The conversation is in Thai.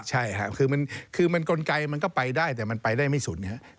ใช่ครับคือมันกลไกมันก็ไปได้แต่มันไปได้ไม่สุดนะครับ